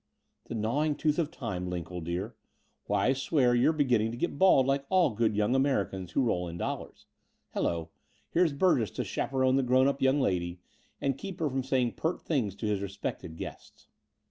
"The gnawing tooth of time, Line, old dear. Why, I swear you're beginning to get bald like all good young Americans who roll in dollars. Hallo, here's Burgess to chaperon the grown up young lady, and keep her from saying pert things to his respected guests."